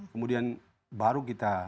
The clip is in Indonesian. kemudian baru kita